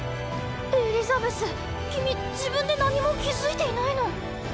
エリザベス君自分で何も気付いていないの？